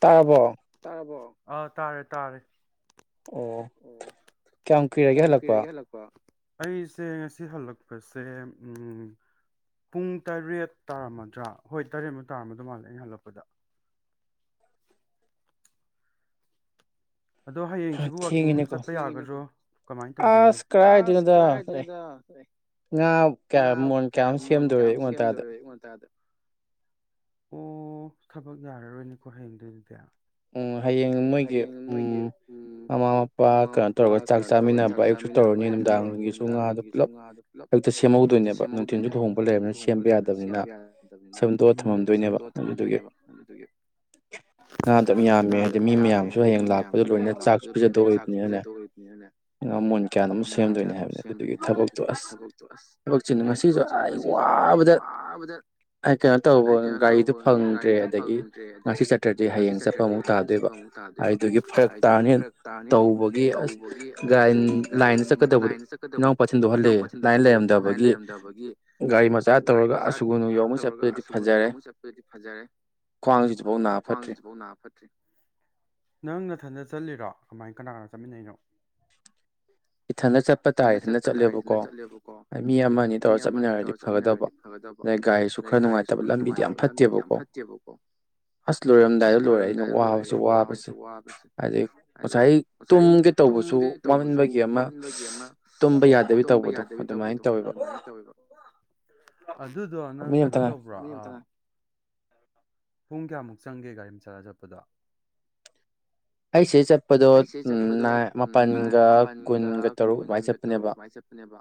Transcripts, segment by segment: ꯇꯥꯔꯕꯣ ꯇꯥꯔꯕꯣ ꯑꯥ ꯇꯥꯔꯦ ꯇꯥꯔꯦ ꯑꯣ ꯀꯌꯥꯝ ꯀꯨꯏꯔꯒꯦ ꯍꯜꯂꯛꯄ ꯑꯩꯁꯦ ꯉꯁꯤ ꯍꯜꯂꯛꯄꯁꯦ ꯎꯝ ꯄꯨꯡ ꯇꯔꯦꯠ ꯇꯥꯔꯝꯃꯗ꯭ꯔꯥ ꯍꯣꯏ ꯇꯔꯦꯠꯃꯨꯛ ꯇꯥꯔꯝꯃꯗꯧ ꯃꯥꯜꯂꯦ ꯑꯩꯅ ꯍꯜꯂꯛꯄꯗ ꯑꯗꯣ ꯍꯌꯦꯡꯁꯤꯕꯨ ꯋꯥꯛꯀꯤꯡ ꯆꯠꯄ ꯌꯥꯒꯗ꯭ꯔꯣ ꯀꯃꯥꯏꯅ ꯇꯧꯗꯣꯏꯅꯣ ꯑꯁ ꯀꯔꯥꯏꯗꯩꯅꯣꯗ ꯑꯦ ꯉꯥ ꯀꯌꯥ ꯃꯣꯟ ꯀꯌꯥꯃ ꯁꯦꯝꯗꯣꯔꯦ ꯑꯌꯨꯛ ꯉꯟꯇꯥꯗ ꯑꯣ ꯊꯕꯛ ꯌꯥꯔꯔꯣꯏꯅꯦꯀꯣ ꯍꯌꯦꯡꯗꯤ ꯑꯗꯨꯗꯤ ꯎꯝ ꯍꯌꯦꯡ ꯅꯣꯏꯒꯤ ꯎ ꯃꯃꯥ ꯃꯄꯥ ꯀꯩꯅꯣ ꯇꯧꯔꯒ ꯆꯥꯛ ꯆꯥꯃꯤꯟꯅꯕ ꯑꯌꯨꯛꯁꯨ ꯇꯧꯔꯅꯤ ꯅꯨꯡꯗꯥꯡꯒꯤꯁꯨ ꯉꯥꯗꯣ ꯄꯨꯂꯞ ꯑꯌꯨꯛꯇ ꯁꯦꯝꯍꯧꯗꯣꯏꯅꯦꯕ ꯅꯨꯡꯊꯤꯟꯜꯁꯨ ꯊꯨꯍꯣꯡꯕ ꯂꯩꯔꯕꯅꯤꯅ ꯁꯦꯝꯕ ꯌꯥꯗꯕꯅꯤꯅ ꯁꯦꯝꯗꯣꯛꯑ ꯊꯃꯝꯗꯣꯏꯅꯦꯕ ꯑꯗꯨꯗꯨꯒꯤ ꯃꯤꯌꯥꯟ ꯆꯃꯦ ꯍꯥꯏꯗꯤ ꯃꯤ ꯃꯌꯥꯝꯁꯨ ꯍꯌꯦꯡ ꯂꯥꯛꯄꯗ ꯂꯣꯏꯅ ꯆꯥꯛꯁꯨ ꯄꯤꯖꯗꯣꯕꯅꯤꯅꯅꯦ ꯉꯥ ꯃꯣꯟ ꯀꯌꯥꯅꯪꯡ ꯁꯦꯝꯗꯣꯏꯅꯧ ꯍꯥꯏꯕꯅꯤ ꯑꯗꯨꯗꯨꯒꯤ ꯊꯕꯛꯇꯣ ꯑꯁ ꯊꯕꯛꯁꯤꯅ ꯉꯁꯤꯁꯨ ꯑꯩ ꯋꯥꯕꯗ ꯑꯩ ꯀꯩꯅꯣ ꯇꯧꯕꯥ ꯒꯥꯔꯤꯗꯨ ꯐꯡꯗ꯭ꯔꯦ ꯑꯗꯒꯤ ꯉꯁꯤ ꯆꯠꯇ꯭ꯔ ꯗꯦ ꯍꯌꯦꯡ ꯆꯠꯄ ꯑꯃꯨꯛ ꯇꯥꯗꯣꯏꯕ ꯑꯩꯗꯨꯒꯤ ꯐꯔꯛ ꯇꯥꯔꯅꯦꯅꯥ ꯇꯧꯕꯒꯤ ꯑꯁ ꯒꯥꯏꯟ ꯂꯥꯏꯟꯗ ꯆꯠꯀꯗꯕꯗ ꯏꯅꯥꯎꯄꯥ ꯊꯤꯟꯗꯣꯛꯍꯜꯂ ꯂꯥꯏꯟ ꯂꯩꯔꯝꯗꯕꯒꯤ ꯒꯥꯔꯤ ꯃꯆꯥ ꯇꯧꯔꯒ ꯑꯁꯨꯨꯒꯨꯅꯨ ꯌꯧꯃꯩ ꯆꯠꯄꯗꯗꯤ ꯐꯖꯔꯦ ꯈ꯭ꯋꯥꯡꯖꯤꯐꯧ ꯅꯥꯐꯠ ꯍꯧꯖꯤꯐꯧ ꯅꯐꯠ ꯅꯡ ꯅꯥꯊꯟꯗ ꯆꯠꯂꯤꯔꯣ ꯀꯃꯥꯏ ꯀꯅꯥ ꯀꯅꯥ ꯆꯠꯃꯤꯅꯩꯅꯣ ꯏꯊꯟꯗ ꯆꯠꯄ ꯇꯥꯔꯦ ꯏꯊꯟꯗ ꯆꯠꯂꯦꯕꯀꯣꯗ ꯃꯤ ꯑꯃ ꯑꯅꯤ ꯇꯧꯔ ꯆꯠꯃꯤꯟꯅꯔꯗꯤ ꯐꯒꯗꯕ ꯑꯗꯩ ꯒꯥꯔꯤꯁꯨ ꯈꯔ ꯅꯨꯡꯉꯥꯏꯇꯕ ꯂꯝꯕꯤꯗꯤ ꯌꯥꯝ ꯐꯠꯇꯦꯕꯀꯣ ꯑꯁ ꯂꯣꯏꯔꯝꯗꯥꯏꯗ ꯂꯣꯏꯔꯏ ꯑꯩꯅꯥ ꯋꯥꯕꯁꯨ ꯋꯥꯕꯁꯦ ꯑꯗꯩ ꯉꯁꯥꯏ ꯇꯨꯝꯒꯦ ꯇꯧꯕꯁꯨ ꯋꯥꯃꯟꯕꯒꯤ ꯃꯥꯡꯃꯟꯕꯒꯤ ꯑꯃ ꯇꯨꯝꯕ ꯌꯥꯗꯕꯤ ꯇꯧꯕꯗꯣ ꯑꯗꯨꯃꯥꯏꯅ ꯇꯧꯋꯦꯕ ꯑꯗꯨꯗꯣ ꯅꯡ ꯀꯩꯅꯣ ꯇ꯭ꯔ ꯃꯤꯅꯤꯠ ꯑꯃꯌ ꯉꯥꯏꯌꯨ ꯄꯨꯡ ꯀꯌꯥꯃꯨꯛ ꯆꯡꯒꯦ ꯒꯥꯔꯤ ꯒꯥꯔꯤ ꯃꯆꯥꯗ ꯆꯠ ꯄꯥꯗꯣ ꯑꯩꯁꯤ ꯆꯠ ꯑꯩ ꯁꯤꯗꯩꯩ ꯆꯠꯄꯗꯣ ꯎꯝ ꯅꯥꯏꯟ ꯃꯥꯄꯜꯒ ꯀꯨꯟꯒ ꯇꯔꯨꯛ ꯑꯗꯨꯃꯥꯏꯅ ꯆꯠꯄꯅꯦꯕ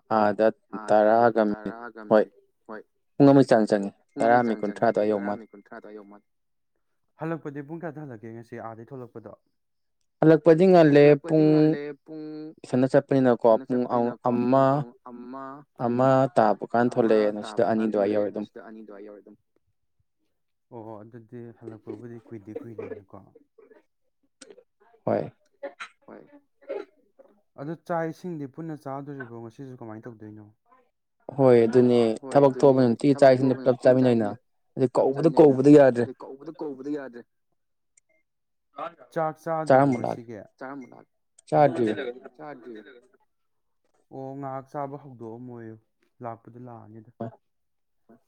ꯑꯥꯗ ꯇꯔꯥꯒ ꯃꯤ ꯍꯣꯏ ꯄꯨꯡ ꯑꯃꯒꯤ ꯆꯥꯉ ꯆꯉꯤ ꯇꯔꯥ ꯃꯤ ꯀꯨꯟꯊ꯭ꯔꯥꯗꯨꯌꯥꯏ ꯌꯧ ꯃꯥꯜ ꯍꯜꯂꯛꯄꯗꯤ ꯄꯨꯡ ꯀꯌꯥꯗ ꯍꯜꯂꯛꯀꯦ ꯉꯁꯤ ꯇꯦ ꯑꯥꯗꯒꯤ ꯊꯣꯛꯂꯛꯄꯗꯣ ꯍꯜꯂꯛꯄꯗꯤ ꯉꯜꯂꯦ ꯄꯨꯡ ꯁꯅ ꯆꯠꯄꯅꯤꯅꯀꯣ ꯄꯨꯡ ꯑꯃ ꯑꯃ ꯇꯥꯕ ꯀꯥꯟ ꯊꯣꯛꯂꯛꯑꯦ ꯁꯤꯗ ꯑꯅꯤ ꯑꯗꯨꯋꯥꯏ ꯌꯧꯔꯦ ꯑꯗꯨꯝ ꯑꯣ ꯑꯣ ꯑꯗꯨꯗꯤ ꯍꯜꯂꯛꯄꯕꯨꯗꯤ ꯀꯨꯏꯗꯤ ꯀꯨꯏꯔꯦꯅꯀꯣ ꯍꯣꯏ ꯑꯗ ꯆꯥꯛ ꯏꯁꯤꯡꯗꯤ ꯄꯨꯟꯅ ꯆꯥꯗꯣꯔꯤꯕꯣ ꯉꯁꯤꯁꯨ ꯀꯃꯥꯏꯅ ꯇꯧꯗꯣꯏꯅꯣ ꯍꯣꯏ ꯍꯣꯏ ꯑꯗꯨꯅꯦ ꯊꯕꯛ ꯊꯣꯛꯑꯕꯅꯤꯅꯥ ꯅꯨꯡꯇꯤꯒꯤ ꯆꯥꯛ ꯑꯦꯁꯤꯡ ꯄꯨꯂꯞ ꯆꯥꯃꯤꯟꯅꯩꯩꯅ ꯀꯧꯕꯗꯥ ꯀꯧꯕꯗꯥ ꯌꯥꯗ꯭ꯔꯦ ꯆꯥꯛ ꯆꯥꯗ꯭ꯔꯤ ꯕꯣ ꯉꯁꯤꯒꯤ ꯆꯥꯔꯉꯡꯧ ꯂꯥꯛꯑꯒꯦ ꯎꯃ ꯆꯗꯔꯤꯗꯥ ꯑꯣ ꯉꯥꯍꯥꯛ ꯆꯥꯕ ꯍꯧꯗꯣꯛꯑꯝꯃꯣꯏꯌꯨ ꯂꯥꯄ ꯑꯗ ꯂꯛꯑꯅꯤꯗꯥ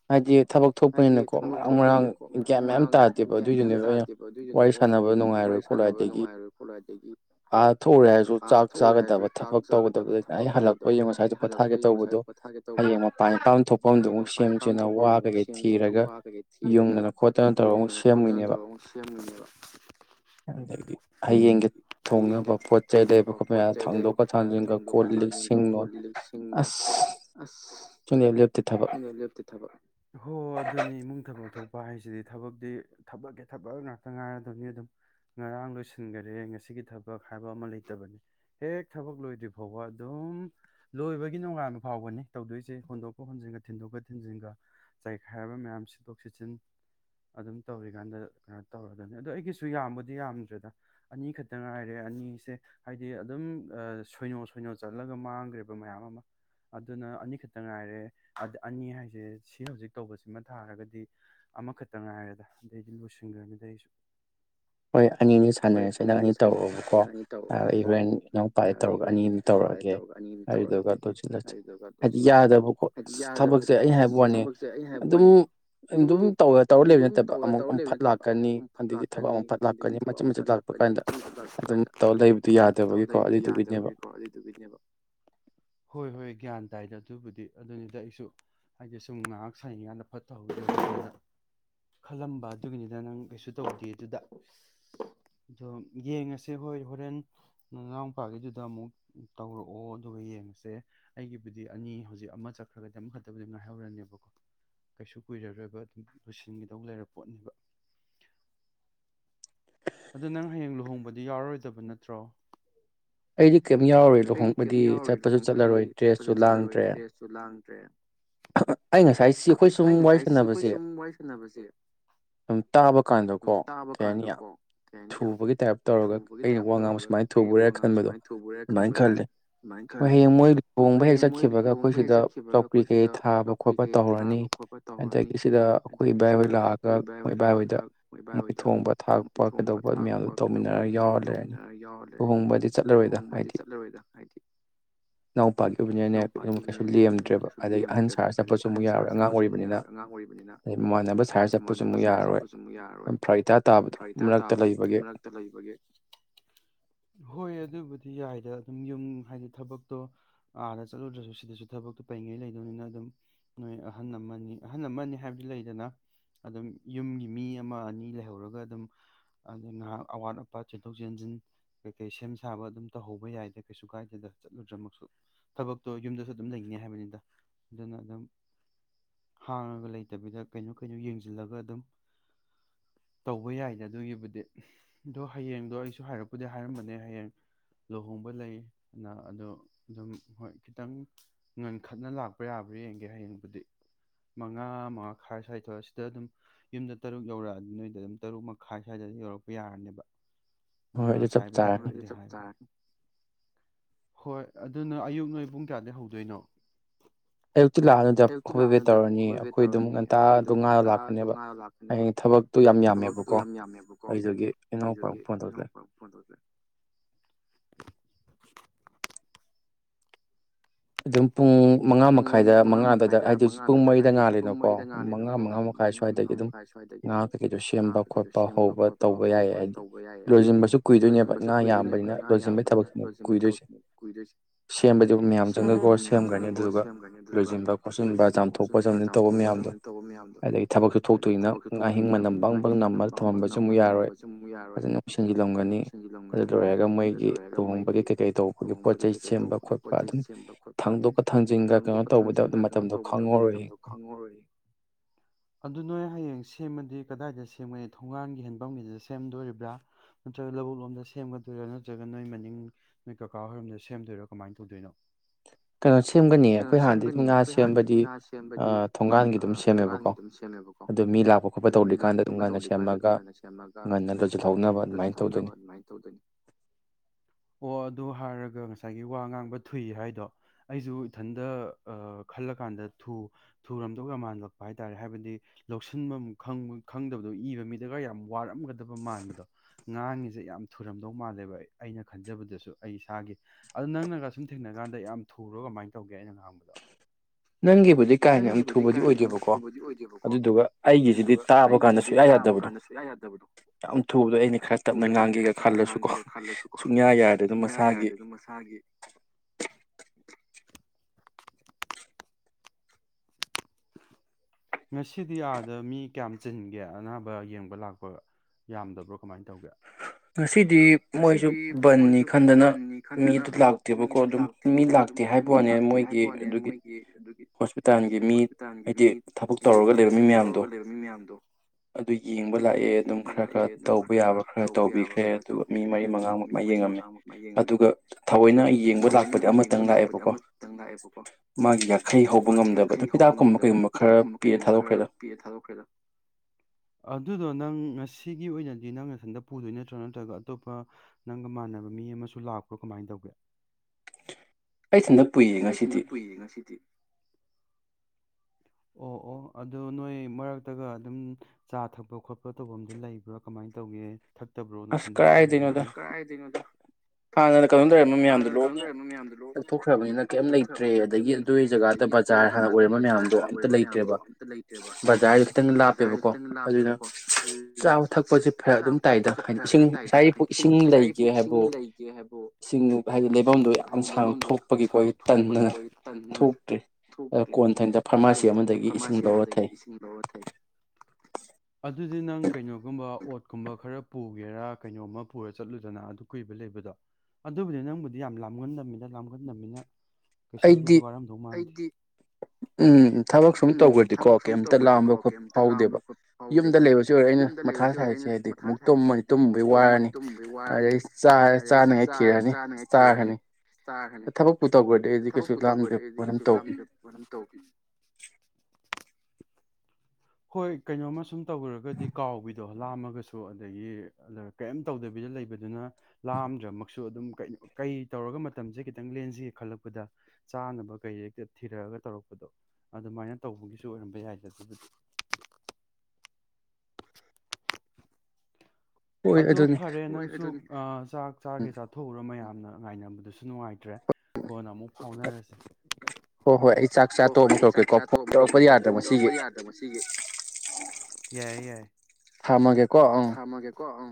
ꯍꯥꯏꯖꯤ ꯍꯥꯏꯗꯤ ꯊꯕꯛ ꯊꯣꯛꯄꯅꯤꯅꯀꯣ ꯃꯔꯥꯡ ꯃꯔꯥꯡ ꯒꯦꯅ ꯃꯦꯅ ꯑꯃꯥ ꯇꯥꯗꯦꯕ ꯑꯗꯨꯏꯒꯤꯅꯦꯕ ꯑꯩꯇꯝ ꯋꯥꯔꯤ ꯁꯥꯟꯅꯕ ꯅꯨꯡꯉꯥꯏꯔꯣꯏ ꯈꯣꯠꯂꯣꯌ ꯑꯗꯩꯗꯤ ꯑꯥ ꯊꯣꯛꯎꯔꯦ ꯍꯥꯏꯔꯁꯨ ꯆꯥꯛ ꯆꯥꯒꯗꯕ ꯊꯕꯛ ꯇꯧꯒꯗꯕ ꯑꯩ ꯍꯜꯂꯛꯄꯩ ꯌꯦꯡꯉꯨ ꯉꯁꯥꯏꯗ ꯄꯣꯊꯥꯒꯦ ꯇꯧꯕꯗꯣ ꯍꯌꯦꯡ ꯃꯄꯥꯟꯑꯦꯄꯥꯝ ꯊꯣꯛꯐꯝꯗꯨ ꯑꯃꯨꯛ ꯁꯦꯝꯁꯤꯦꯅ ꯋꯥ ꯀꯩꯀꯩ ꯁꯦꯃꯁꯦꯅ ꯋꯥ ꯀꯩꯀꯩ ꯊꯤꯔꯒ ꯌꯨꯡꯗꯅ ꯈꯣꯠꯇꯅ ꯇꯧꯔ ꯑꯃꯨ ꯁꯦꯝꯂꯨꯏꯅꯦꯕꯥ ꯍꯌꯦꯡꯒ ꯊꯣꯡꯅꯕ ꯄꯣꯠ ꯆꯩ ꯂꯩꯕ ꯈꯣꯠ ꯃꯌꯥꯝ ꯊꯥꯡꯗꯣꯛꯀ ꯊꯥꯡꯖꯤꯟꯒ ꯀꯣꯠ ꯂꯤꯛꯁꯤꯡꯂꯣꯟ ꯑꯁ ꯆꯨꯗꯦꯞ ꯂꯦꯞꯇꯤ ꯊꯕꯛ ꯍꯣ ꯍꯣ ꯑꯗꯨꯅꯤ ꯏꯃꯨꯡ ꯊꯕꯛ ꯊꯣꯀꯄꯥ ꯍꯥꯏꯁꯤꯗꯤ ꯊꯕꯛꯇꯤ ꯊꯕꯛꯀꯤ ꯊꯕꯛ ꯉꯥꯛꯇ ꯉꯥꯏꯔꯗꯕꯅꯤ ꯑꯗꯨꯝ ꯉꯔꯥꯡ ꯂꯣꯏꯁꯤꯟꯒꯥꯔꯦ ꯉꯁꯤꯒꯤ ꯊꯕꯛ ꯍꯥꯏꯕ ꯑꯃ ꯂꯩꯇꯕꯅꯤ ꯍꯦꯛ ꯊꯕꯛ ꯂꯣꯏꯗ꯭ꯔꯤ ꯐꯥꯎꯕ ꯑꯗꯨꯝ ꯂꯣꯏꯕꯒꯤ ꯅꯨꯡꯉꯥꯏꯥꯟꯕ ꯐꯥꯎꯕꯅꯤ ꯇꯧꯗꯣꯏꯁꯦ ꯍꯣꯟꯗꯣꯛꯀ ꯍꯣꯟꯖꯤꯟꯒ ꯊꯤꯟꯗꯣꯛꯀ ꯊꯤꯟꯖꯤꯟꯒ ꯆꯥꯏꯈꯥꯏꯔꯕ ꯃꯌꯥꯝ ꯁꯤꯠꯇꯣꯛ ꯁꯤꯠꯆꯟ ꯑꯗꯨꯝ ꯇꯧꯔꯤꯀꯥꯟꯗ ꯀꯩꯅꯣ ꯇꯧꯔꯗꯨꯅꯤ ꯑꯗꯣ ꯑꯩꯒꯤꯁꯨ ꯌꯥꯝꯕꯨꯗꯤ ꯌꯥꯝꯗ꯭ꯔꯦꯗ ꯑꯅꯤꯈꯛꯇ ꯉꯥꯏꯔꯦ ꯑꯅꯤꯁꯦ ꯍꯥꯏꯗꯤ ꯑꯗꯨꯝ ꯁꯣꯏꯅꯣ ꯁꯣꯏꯅꯣ ꯆꯠꯂꯒ ꯃꯥꯡꯈ꯭ꯔꯦꯕ ꯃꯌꯥꯝ ꯑꯃ ꯑꯗꯨꯅ ꯑꯅꯤꯈꯛꯇ ꯉꯥꯏꯔꯦ ꯑꯗ ꯑꯅꯤ ꯍꯥꯏꯁꯦ ꯁꯤ ꯍꯧꯖꯤꯛ ꯇꯧꯕꯁꯤꯃ ꯊꯥꯔꯒꯗꯤ ꯑꯃꯈꯛꯇ ꯉꯥꯏꯔꯦꯗ ꯑꯗꯩꯗꯤ ꯂꯨꯁꯤꯟꯈ꯭ꯔꯅꯤꯗ ꯑꯩꯁꯨ ꯍꯣꯏ ꯑꯅꯤ ꯑꯅꯤ ꯁꯥꯟꯅꯔꯁꯦ ꯅꯪ ꯑꯅꯤ ꯇꯧꯔꯛꯕꯀꯣ ꯑꯩ ꯍꯣꯔꯦꯟ ꯏꯅꯥꯎꯄꯥꯗ ꯇꯧꯔꯒ ꯑꯅꯤ ꯑꯅꯤ ꯇꯧꯔꯛꯑꯒꯦ ꯑꯗꯨꯗꯨꯒ ꯂꯣꯏꯁꯤꯜꯂꯁꯤ ꯍꯥꯏꯗꯤ ꯌꯥꯗꯕꯀꯣ ꯑꯁ ꯊꯕꯛꯁꯦ ꯑꯩ ꯍꯥꯏꯕ ꯋꯥꯅꯤ ꯑꯗꯨꯝ ꯑꯗꯨꯝ ꯇꯧꯔ ꯇꯧꯔ ꯂꯩꯕ ꯅꯠꯇꯕ ꯑꯃꯨꯛ ꯑꯃꯨꯛ ꯐꯠ ꯂꯥꯛꯀꯅꯤ ꯑꯗꯨꯒꯤ ꯊꯕꯛ ꯑꯃꯨꯛ ꯑꯗꯒꯤ ꯊꯕꯛ ꯑꯃ ꯂꯥꯛꯀꯅꯤ ꯃꯆꯤꯟ ꯂꯥꯛꯄ ꯀꯥꯟꯗ ꯂꯩꯕꯗꯨ ꯌꯥꯗꯕꯒꯤꯀꯣ ꯑꯗꯨꯗꯨꯒꯤꯅꯦꯕ ꯍꯣꯏ ꯍꯣꯏ ꯒ꯭ꯌꯥꯟ ꯇꯥꯏ ꯍꯥꯏꯗ ꯑꯗꯨꯕꯨꯗꯤ ꯑꯗꯨꯅꯤꯗ ꯑꯩꯁꯨ ꯍꯥꯏꯗꯤ ꯁꯨꯝ ꯉꯥꯏꯍꯥꯛ ꯉꯛꯁꯥꯏꯉꯅ ꯐꯠꯇꯍꯧꯗ꯭ꯔꯦꯅ ꯈꯜꯂꯝꯕ ꯑꯗꯨꯒꯤꯅꯤꯗ ꯅꯪ ꯀꯩꯁꯨ ꯇꯧꯗꯦ ꯑꯗꯨꯗ ꯑꯗꯣ ꯌꯦꯡꯉꯁꯦ ꯍꯣꯏ ꯍꯣꯔꯦꯟ ꯉꯔꯎ ꯃꯄꯥꯒꯤꯗꯨꯗ ꯑꯃꯨꯛ ꯇꯧꯔꯛꯑꯣ ꯑꯗꯨꯒ ꯌꯦꯡꯉꯁꯦ ꯑꯩꯒꯤꯕꯨꯗꯤ ꯑꯅꯤ ꯍꯧꯖꯤꯛ ꯑꯃ ꯆꯠꯈ꯭ꯔꯒꯗꯤ ꯑꯃꯈꯛꯇꯕꯨꯗꯤ ꯉꯥꯏꯍꯧꯔꯅꯦꯕꯀꯣ ꯀꯩꯁꯨ ꯀꯨꯏꯔꯔꯣꯏꯕ ꯑꯗꯨꯝ ꯂꯣꯏꯁꯤꯟꯒꯗꯧ ꯂꯩꯔꯕ ꯄꯣꯠꯅꯦꯕ ꯑꯗꯨ ꯅꯪ ꯍꯌꯦꯡ ꯂꯨꯍꯣꯡꯕꯗꯤ ꯌꯥꯎꯔꯔꯣꯏꯗꯕ ꯅꯠꯇ꯭ꯔꯣ ꯑꯩꯗꯤ ꯀꯩꯝ ꯌꯥꯎꯔꯔꯦ ꯂꯨꯍꯣꯡꯕꯗꯤ ꯆꯠꯄꯁꯨ ꯆꯠꯂꯔꯣꯏ ꯗ꯭ꯔꯦꯁꯁꯨ ꯂꯥꯡꯗ꯭ꯔꯦ ꯑꯩ ꯉꯁꯥꯏꯁꯤ ꯑꯩꯈꯣꯏ ꯁꯨꯝ ꯋꯥꯔꯤ ꯁꯥꯟꯅꯕꯁꯦ ꯁꯝ ꯇꯥꯕ ꯀꯥꯟꯗꯀꯣ ꯀꯩ ꯍꯥꯏꯅꯤ ꯊꯨꯕꯒꯤ ꯇꯥꯏꯞ ꯇꯧꯔꯒ ꯑꯩꯅ ꯋꯥ ꯉꯥꯡꯕ ꯁꯨꯃꯥꯏꯅ ꯊꯨꯕꯨꯔꯦ ꯈꯟꯕꯗꯣ ꯑꯗꯨꯃꯥꯏꯅ ꯈꯜꯂꯤ ꯍ ꯍꯌꯦꯡ ꯃꯣꯏ ꯊꯣꯡꯕ ꯍꯦꯛ ꯆꯠꯈꯤꯕꯒ ꯑꯩꯈꯣꯏ ꯁꯤꯗ ꯆꯧꯀ꯭ꯔꯤ ꯀꯩꯀꯩ ꯊꯥꯕ ꯈꯣꯠꯄ ꯇꯧꯍꯔꯅꯤ ꯑꯗꯒꯤ ꯁꯤꯗ ꯑꯩꯈꯣꯏ ꯏꯕꯥꯏꯍꯣꯏ ꯂꯥꯛꯑꯒ ꯃꯣꯏ ꯏꯕꯥꯏꯍꯣꯏꯗ ꯃꯣꯏ ꯊꯣꯡꯕ ꯊꯥꯛꯄ ꯊꯣꯡꯕ ꯊꯥꯛꯄ ꯀꯩꯗꯧꯕ ꯃꯌꯥꯝꯗꯣ ꯇꯧꯃꯤꯟꯅꯔꯒ ꯌꯥꯎꯍꯜꯂꯦ ꯆꯠꯂꯔꯣꯏꯗ ꯍꯥꯏꯗꯤ ꯏꯅꯥꯎꯄꯥꯒꯤ ꯑꯣꯏꯕꯅꯤꯅꯦ ꯀꯩꯁꯨ ꯂꯦꯝꯗ꯭ꯔꯦꯕ ꯑꯗꯩ ꯑꯍꯟ ꯁꯥꯔ ꯆꯠꯄꯁꯨ ꯑꯃꯨꯛ ꯌꯥꯔꯣꯏ ꯑꯉꯥꯡ ꯑꯣꯏꯔꯤꯕꯅꯤꯅ ꯑꯗꯩ ꯃꯃꯥꯟꯅꯕ ꯁꯥꯔ ꯆꯠꯄꯁꯨ ꯑꯃꯨꯛ ꯌꯥꯔꯔꯣꯏ ꯐꯔꯛ ꯏꯇꯥ ꯇꯥꯕꯗꯣ ꯃꯔꯛ ꯃꯔꯛꯇ ꯂꯩꯕꯒꯦ ꯍꯣꯏ ꯑꯗꯨꯕꯨꯗꯤ ꯌꯥꯏꯗ ꯑꯗꯨꯝ ꯌꯨꯝ ꯍꯥꯏꯗꯤ ꯊꯕꯛꯇꯣ ꯑꯥꯗ ꯆꯠꯂꯨꯗ꯭ꯔꯁꯨ ꯁꯤꯗꯁꯨ ꯊꯕꯛꯇꯣ ꯄꯔꯤꯉꯩ ꯂꯩꯗꯕꯅꯤꯅ ꯑꯗꯨꯝ ꯅꯣꯏ ꯑꯍꯜ ꯑꯃꯅꯤ ꯑꯍꯜ ꯑꯃꯅꯤ ꯍꯥꯏꯕꯗꯤ ꯂꯩꯗꯅ ꯑꯗꯨꯝ ꯌꯨꯝꯒꯤ ꯃꯤ ꯑꯃ ꯑꯅꯤ ꯂꯩꯍꯧꯔꯒ ꯑꯗꯨꯝ ꯑꯗ ꯉꯥꯏꯍꯥꯛ ꯑꯋꯥꯠ ꯑꯄꯥ ꯆꯦꯟꯊꯣꯛ ꯆꯦꯟꯁꯤꯟ ꯀꯩ ꯀꯩ ꯁꯦꯝ ꯁꯥꯕ ꯑꯗꯨꯝ ꯇꯧꯍꯧꯕ ꯌꯥꯏꯗ ꯀꯩꯁꯨ ꯀꯥꯏꯗꯗ ꯆꯠꯂꯨꯗ꯭ꯔꯃꯛꯁꯨ ꯊꯕꯛꯇꯣ ꯌꯨꯝꯗꯁꯨ ꯑꯗꯨꯝ ꯂꯩꯅꯤ ꯍꯥꯏꯕꯅꯤꯗ ꯑꯗꯨꯅ ꯑꯗꯨꯝ ꯍꯥꯡꯉꯒ ꯂꯩꯇꯕꯤꯗ ꯀꯩꯅꯣ ꯀꯩꯅꯣ ꯌꯦꯡꯁꯤꯜꯂꯒ ꯑꯗꯨꯝ ꯇꯧꯕ ꯌꯥꯏꯗ ꯑꯗꯨꯒꯤꯕꯨ ꯑꯗꯣ ꯍꯌꯦꯡꯗꯣ ꯑꯩꯁꯨ ꯍꯥꯏꯔꯛꯄꯨꯗꯤ ꯍꯥꯏꯔꯝꯕꯅꯦ ꯍꯌꯦꯡ ꯂꯨꯍꯣꯡꯕ ꯂꯩ ꯑꯅ ꯑꯗꯣ ꯑꯗꯨꯝ ꯍꯣꯏ ꯈꯤꯇꯪ ꯉꯟꯈꯠꯅ ꯂꯥꯛꯄ ꯌꯥꯕ꯭ꯔꯥ ꯌꯦꯡꯒꯦ ꯍꯌꯦꯡꯕꯨꯗꯤ ꯃꯉꯥ ꯃꯉꯥ ꯃꯈꯥꯏ ꯁ꯭ꯋꯥꯏ ꯊꯣꯛ ꯁꯤꯗ ꯑꯗꯨꯝ ꯌꯨꯝꯗ ꯇꯔꯨꯛ ꯌꯧꯔꯛꯑꯗꯤ ꯅꯣꯏꯗ ꯑꯗꯨꯝ ꯇꯔꯨꯛ ꯃꯈꯥꯏ ꯁ꯭ꯋꯥꯏꯗꯗꯤ ꯌꯧꯔꯛꯄ ꯌꯥꯔꯅꯦꯕ ꯑ ꯁꯕꯨꯗꯤ ꯍꯥꯏ ꯍꯣꯏ ꯑꯗꯨꯅ ꯑꯌꯨꯛ ꯅꯣꯏ ꯄꯨꯡ ꯀꯌꯥꯗꯒꯤꯩ ꯍꯧꯗꯣꯏꯅꯣ ꯑꯌꯨꯛꯇꯤ ꯂꯥꯛꯑꯅꯤꯗ ꯍꯣꯏꯕꯦ ꯇꯧꯔꯅꯤ ꯑꯩꯈꯣꯏ ꯑꯗꯨꯝ ꯉꯟꯇꯥꯗꯣ ꯉꯥꯔ ꯂꯥꯛꯀꯅꯦꯕ ꯑ ꯊꯕꯛꯇꯣ ꯌꯥꯝ ꯌꯥꯝꯃꯦꯕꯀꯣ ꯑꯩꯗꯨꯒꯤ ꯑꯉꯎꯄ ꯐꯣꯟ ꯇꯧꯂꯦ ꯑꯗꯨꯝ ꯄꯨꯡ ꯃꯉꯥ ꯃꯈꯥꯏꯗ ꯃꯉꯥꯗꯗ ꯍꯥꯏꯗꯤꯖꯤꯛ ꯄꯨꯡ ꯃꯔꯤꯗ ꯉꯥꯜꯂꯤꯅꯀꯣ ꯃꯉꯥ ꯃꯉꯥ ꯃꯈꯥꯏ ꯁ꯭ꯋꯥꯏꯗꯒꯤ ꯑꯗꯨꯝ ꯉꯥ ꯀꯩꯀꯩꯗꯣ ꯁꯦꯝꯕ ꯈꯣꯠꯄ ꯍꯧꯕ ꯇꯧꯕ ꯌꯥꯏ ꯍꯥꯏꯗꯤ ꯂꯣꯟꯁꯤꯟꯕꯁꯨ ꯀꯨꯏꯗꯣꯏꯅꯦꯕ ꯉꯥ ꯌꯥꯝꯕꯅꯤꯅ ꯂꯣꯟꯁꯤꯟꯕꯒꯤ ꯊꯕꯛꯁꯤꯃ ꯀꯨꯏꯗꯣꯏꯁꯦ ꯁꯦꯝꯕꯗꯤ ꯃꯌꯥꯝ ꯒꯣꯁꯤ ꯖꯪꯒꯜ ꯒ꯭ꯔꯣꯁ ꯁꯦꯝꯒꯅꯤ ꯑꯗꯨꯗꯨꯒ ꯂꯣꯏꯁꯤꯟꯕ ꯈꯣꯠꯆꯤꯟꯕ ꯆꯥꯝꯊꯣꯛꯄ ꯆꯥꯝꯁꯤꯟ ꯇꯧꯕ ꯃꯌꯥꯝꯗꯣ ꯑꯗꯨꯗꯒꯤ ꯊꯕꯛꯁꯨ ꯊꯣꯛꯇꯣꯏꯏꯅ ꯉꯥꯍꯤꯡꯕ ꯅꯝꯥꯡꯕ ꯅꯝꯃꯒ ꯊꯝꯃꯕꯁꯨ ꯑꯃꯨꯛ ꯌꯥꯔꯣꯏ ꯑꯗꯨꯖꯅ ꯑꯃꯨꯛ ꯁꯦꯟꯖꯤꯜꯂꯝꯒꯅꯤ ꯑꯗꯨ ꯂꯣꯏꯔꯒ ꯃꯣꯏꯒꯤ ꯂꯨꯍꯣꯡꯕꯒꯤ ꯀꯩꯀꯩ ꯇꯧꯕꯒꯤ ꯄꯣꯠ ꯆꯩ ꯁꯦꯝꯕ ꯊꯥꯡꯗꯣꯛꯄ ꯊꯥꯡꯖꯤꯟꯒ ꯀꯩꯅꯣ ꯇꯧꯕꯗ ꯃꯇꯝꯗꯣ ꯈꯪꯉꯔꯣꯏ ꯑꯗꯨ ꯅꯣꯏ ꯍꯌꯦꯡ ꯁꯦꯝꯃꯗꯤ ꯀꯗꯥꯏꯗ ꯁꯦꯝꯒꯅꯤ ꯊꯣꯡꯒꯥꯟꯒꯤ ꯍꯦꯟꯐꯝꯒꯤꯁꯤꯗ ꯁꯦꯝꯗꯣꯔꯤꯕ꯭ꯔꯥ ꯅꯠꯇ꯭ꯔꯒ ꯂꯧꯕꯛ ꯂꯣꯝꯗ ꯁꯦꯝꯒꯗꯣꯏꯔꯥ ꯅꯠꯇ꯭ꯔꯒ ꯅꯣꯏ ꯃꯅꯤꯡ ꯅꯣꯏ ꯀꯀꯥ ꯍꯣꯏꯔꯣꯝꯗ ꯁꯦꯝꯗꯣꯏꯔꯥ ꯀꯃꯥꯏꯅ ꯇꯧꯗꯣꯏꯅꯣ ꯀꯩꯅꯣ ꯁꯦꯝꯒꯅꯤ ꯑꯩꯈꯣꯏ ꯍꯥꯟꯅꯗꯤ ꯉꯥ ꯁꯦꯝꯕꯗꯤ ꯊꯣꯡꯒꯥꯟꯒꯤ ꯑꯗꯨꯝ ꯁꯦꯝꯃꯦꯕꯀꯣ ꯑꯗꯨꯣ ꯃꯤ ꯂꯥꯛꯄ ꯈꯣꯠꯄ ꯇꯧꯔꯤꯀꯥꯟꯗ ꯑꯗꯨꯝ ꯉꯟꯅ ꯁꯦꯝꯃꯒ ꯉꯟꯅ ꯂꯣꯏꯁꯤꯜꯍꯧꯅꯕ ꯑꯗꯨꯃꯥꯏꯅ ꯇꯧꯗꯅꯤ ꯑꯣ ꯑꯗꯨ ꯑꯗꯨꯒ ꯉꯁꯥꯏꯒꯤ ꯋꯥ ꯉꯥꯡꯕ ꯊꯨꯏ ꯍꯥꯏꯗꯣ ꯑꯩꯁꯨ ꯏꯊꯟꯇ ꯈꯜꯂꯀꯥꯟꯗ ꯊꯨꯔꯝꯗꯧꯒ ꯃꯜꯂꯛꯄ ꯍꯥꯏꯇꯥꯥꯔꯦ ꯍꯥꯏꯕꯗꯤ ꯂꯧꯁꯤꯟꯕ ꯑꯃꯕ ꯈꯪꯗꯕꯗꯣ ꯏꯕ ꯃꯤꯗꯒ ꯌꯥꯝ ꯋꯥꯔꯝꯒꯗꯕ ꯃꯥꯟꯕꯗꯣ ꯉꯥꯡꯉꯤꯁꯦ ꯌꯥꯝ ꯊꯨꯔꯝꯗꯧ ꯃꯥꯜꯂꯦꯕ ꯑꯩꯅ ꯈꯟꯖꯕꯗꯁꯨ ꯑꯩ ꯏꯁꯥꯒꯤ ꯑꯗꯣ ꯅꯪꯅꯒ ꯁꯨꯝ ꯊꯦꯡꯅ ꯀꯥꯟꯗ ꯌꯥꯝ ꯊꯨꯔ ꯀꯃꯥꯏꯅ ꯇꯧꯒꯦ ꯑꯩꯅꯍꯥꯡꯕꯗꯣ ꯅꯪꯒꯤꯕꯨꯗꯤ ꯀꯥꯏꯅ ꯌꯥꯝ ꯊꯨꯕꯗꯤ ꯑꯣꯏꯗꯦꯕꯀꯣ ꯑꯗꯨꯗꯨꯒ ꯑꯩꯒꯤꯁꯤꯗꯤ ꯇꯥꯕ ꯀꯥꯟꯗ ꯁꯨꯡꯌꯥ ꯌꯥꯗꯕꯗꯣ ꯌꯥꯝ ꯊꯨꯕꯗꯣ ꯑꯩꯅ ꯈꯔ ꯇꯞꯅ ꯉꯥꯡꯒꯦꯒ ꯈꯜꯂꯁꯨꯀꯣ ꯁꯨꯡꯌꯥ ꯌꯥꯔꯗꯦ ꯑꯗꯨꯝ ꯃꯁꯥꯒꯤ ꯉꯁꯤꯗꯤ ꯑꯥꯗ ꯃꯤ ꯀꯌꯥꯝ ꯆꯤꯟꯒꯦ ꯑꯅꯥꯕ ꯌꯦꯡꯕ ꯂꯥꯛꯄ ꯌꯥꯝꯗꯕ꯭ꯔꯣ ꯀꯃꯥꯏꯅ ꯇ ꯉꯁꯤꯗꯤ ꯃꯣꯏꯁꯨ ꯕꯟꯅꯤ ꯈꯟꯗꯅ ꯃꯤꯗꯨ ꯂꯥꯛꯇꯦꯕꯀꯣ ꯑꯗꯨꯝ ꯃꯤ ꯂꯥꯛꯇꯦ ꯍꯥꯏꯕ ꯋꯥꯅꯤ ꯃꯣꯏꯒꯤ ꯑꯗꯨꯒꯤ ꯍꯣꯁꯄꯤꯇꯥꯜꯒꯤ ꯃꯤ ꯍꯥꯏꯗꯤ ꯊꯕꯛ ꯇꯧꯔꯒ ꯂꯩꯕ ꯃꯤ ꯃꯌꯥꯝꯗꯣ ꯑꯗꯨ ꯌꯦꯡꯕ ꯂꯥꯛꯑꯦ ꯑꯗꯨꯝ ꯈꯔ ꯈꯔ ꯇꯧꯕ ꯌꯥꯕ ꯈꯔ ꯇꯧꯕꯤꯈ꯭ꯔꯦ ꯑꯗꯨꯒ ꯃꯤ ꯃꯔꯤ ꯃꯉꯥꯃꯨꯛ ꯃꯥ ꯌꯦꯡꯉꯝꯃꯦ ꯑꯗꯨꯒ ꯊꯑꯣꯏꯅ ꯑꯩ ꯌꯦꯡꯕ ꯂꯥꯛꯄꯗꯤ ꯑꯃꯇꯪ ꯂꯥꯛꯑꯦꯕꯀꯣ ꯃꯥꯒꯤ ꯌꯥꯡꯈꯩ ꯍꯧꯕ ꯉꯝꯗꯕꯗꯣ ꯍꯤꯗꯥꯛꯀꯨꯝꯕ ꯀꯩꯒꯨꯝꯕ ꯈꯔ ꯀꯩꯒ ꯈꯔ ꯄ ꯊꯥꯗꯣꯛꯈ꯭ꯔꯦꯗ ꯑꯗꯨꯗꯣ ꯅꯪ ꯉꯁꯤꯒꯤ ꯑꯣꯏꯅꯗꯤ ꯅꯪ ꯅꯊꯟꯇ ꯄꯨꯗꯣꯏ ꯅꯠꯇ꯭ꯔꯣ ꯅꯠꯇ꯭ꯔꯒ ꯑꯇꯣꯞꯄ ꯅꯪꯒ ꯃꯥꯟꯅꯕ ꯃꯤ ꯑꯃꯁꯨ ꯂꯥꯛꯄ꯭ꯔꯣ ꯀꯃꯥꯏꯅ ꯇꯧꯒꯦ ꯑꯩ ꯊꯟꯗ ꯄꯨꯏꯌꯦ ꯉꯁꯤꯗꯤ ꯑꯣ ꯑꯣ ꯑꯗꯣ ꯅꯣꯏ ꯃꯔꯛꯇꯒ ꯑꯗꯨꯝ ꯆꯥ ꯊꯛꯄ ꯈꯣꯠꯄ ꯇꯧꯐꯝꯗꯤ ꯂꯩꯕ꯭ꯔꯥ ꯀꯃꯥꯏꯅ ꯇꯧꯒꯦ ꯀꯥꯏꯗꯅꯣꯗ ꯍꯥꯟꯅꯅ ꯀꯩꯅꯣ ꯇꯔ ꯃꯌꯥꯝꯗꯣ ꯂꯣꯏꯅ ꯂꯧꯊꯣꯛꯈ꯭ꯔꯕꯅꯤꯅ ꯀꯔꯤꯝ ꯂꯩꯇ꯭ꯔꯦ ꯑꯗꯒꯤ ꯑꯗꯨꯒꯤ ꯖꯒꯥꯗ ꯕꯖꯥꯔ ꯍꯅ ꯑꯣꯏ ꯂꯩꯠꯇ꯭ꯔꯦꯕ ꯕꯖꯥꯔꯗ ꯈꯤꯇꯪ ꯂꯥꯞꯄꯦꯕꯀꯣ ꯑꯗꯨꯅ ꯆꯥꯕ ꯊꯛꯄꯁꯦ ꯐꯔ ꯑꯗꯨꯝ ꯇꯥꯏꯗ ꯍꯥꯏꯗꯤ ꯏꯁꯤꯡ ꯉꯁꯥꯏꯕꯨ ꯏꯁꯤꯡ ꯂꯩꯒꯦ ꯍꯥꯏꯕꯨ ꯏꯁꯤꯡ ꯍꯥꯏꯗꯤ ꯂꯩꯐꯝꯗꯨꯣ ꯌꯥꯝ ꯁꯥꯡꯅ ꯊꯣꯛꯄꯒꯤꯀꯣ ꯇꯟꯗꯅ ꯊꯣꯛꯇꯦ ꯀꯣꯟꯊꯅꯗ ꯐꯥꯔꯃꯥꯁꯤ ꯊ ꯐꯥꯔꯃꯥꯁꯤ ꯑꯃꯗꯒꯤ ꯏꯁꯤꯡ ꯂꯧꯔ ꯊꯩ ꯑꯗꯨꯗꯤ ꯅꯪ ꯀꯩꯅꯣꯒꯨꯝꯕ ꯑꯣꯠꯀꯨꯝꯕ ꯈꯔ ꯄꯨꯒꯦꯔꯥ ꯀꯩꯅꯣꯝꯃ ꯄꯨꯔ ꯆꯠꯂꯨꯗꯅ ꯑꯗꯨ ꯀꯨꯏꯕ ꯂꯩꯕꯗꯣ ꯑꯗꯨꯕꯨꯗꯤ ꯅꯪꯕꯨꯗꯤ ꯌꯥꯝ ꯂꯥꯝꯒꯟꯗꯃꯤꯅ ꯂꯥꯝꯒꯟꯗꯕꯅꯤꯅ ꯀꯩꯁꯨꯕꯨꯗꯤ ꯋꯥꯔꯝ ꯊꯣꯡꯃ ꯎꯝ ꯊꯕꯛ ꯁꯨꯝ ꯇꯧꯈ꯭ꯔꯗꯤꯀꯣ ꯀꯩꯝꯇ ꯂꯥꯝꯕ ꯈꯣꯠꯄ ꯐꯥꯎꯗꯦꯕ ꯌꯨꯝꯗ ꯂꯩꯕꯁꯨ ꯑꯣꯏꯔꯦ ꯑꯩꯅ ꯃꯊꯥ ꯁꯥꯏꯔꯤꯁꯦ ꯍꯥꯏꯗꯤ ꯑꯃꯨꯛ ꯇꯨꯝꯃꯅꯤ ꯇꯨꯝꯕꯕꯩ ꯋꯥꯔꯅꯤ ꯑꯗꯩ ꯆꯥꯅꯉꯥꯏ ꯊꯤꯔꯛꯑꯅꯤ ꯆꯥꯈ꯭ꯔꯅꯤ ꯆꯥꯈꯅꯤ ꯊꯕꯛꯄꯨ ꯇꯧꯕꯗꯤ ꯑꯩꯗꯤ ꯀꯩꯁꯨ ꯂꯥꯝꯗ ꯑꯗꯨꯝ ꯇꯧꯈꯤ ꯍꯣꯏ ꯀꯩꯅꯣꯝꯃ ꯁꯨꯝ ꯇꯧꯔꯒꯗꯤ ꯀꯥꯎꯕꯤꯗꯣ ꯂꯥꯝꯃꯒꯁꯨ ꯑꯗꯒꯤ ꯀꯔꯤꯝ ꯇꯧꯗꯕꯤꯗ ꯂꯩꯕꯗꯨꯅ ꯂꯥꯝꯗ꯭ꯔꯃꯛꯁꯨ ꯑꯗꯨꯝ ꯀꯩꯅꯣ ꯀꯩ ꯇꯧꯔꯒ ꯃꯇꯝꯁꯦ ꯈꯤꯇꯪ ꯂꯦꯟꯁꯤꯒꯦ ꯈꯜꯂꯛꯄꯗ ꯆꯥꯅꯕ ꯀꯩ ꯍꯦꯛꯇ ꯊꯤꯔꯛꯑꯒ ꯇꯧꯔꯛꯄꯗꯣ ꯑꯗꯨꯃꯥꯏꯅ ꯇꯧꯕꯒꯤꯁꯨ ꯑꯣꯏꯔꯝꯕ ꯌꯥꯏꯗ ꯑꯗꯨꯗꯤ ꯑꯗꯨ ꯐꯔꯦ ꯅꯣꯏꯁꯨ ꯑꯥ ꯆꯥꯛ ꯆꯥꯒꯦ ꯆꯥꯊꯣꯛꯎꯔ ꯃꯌꯥꯝ ꯌꯥꯝꯅ ꯉꯥꯏꯅꯕꯗꯁꯨ ꯅꯨꯡꯉꯥꯏꯇ꯭ꯔꯦ ꯀꯣꯟꯅ ꯑꯃꯨꯛ ꯐꯥꯎꯅꯔꯁꯤ ꯍꯣꯏ ꯍꯣꯏ ꯑꯩ ꯆꯥꯛ ꯆꯥ ꯇꯣ ꯇꯧꯀꯦꯀꯣ ꯐ ꯇꯧꯔꯛꯄ ꯌꯥꯗ꯭ꯔꯕ ꯁꯤꯒꯤ ꯌꯥꯏ ꯌꯥꯏ ꯊꯔꯃꯒꯦꯀꯣ ꯑ